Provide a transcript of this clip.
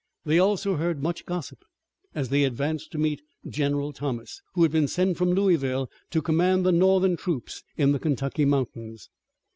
They also heard much gossip as they advanced to meet General Thomas, who had been sent from Louisville to command the Northern troops in the Kentucky mountains.